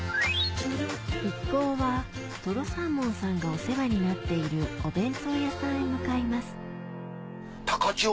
一行はとろサーモンさんがお世話になっているお弁当屋さんへ向かいます高千穂